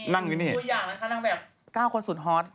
นั่งอย่างโดยนี้